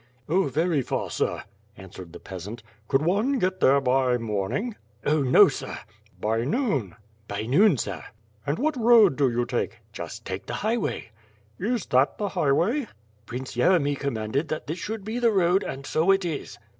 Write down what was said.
"Oh, very far, sir!" answered the peasant. "Could one get there by morning?" "Oh! no sir!" "By noon?" "By noon, sir." "And what road do you take?" "Just take the highway." "Is that the highway?" "Prince Yeremy commanded that this should be the road, and so it is."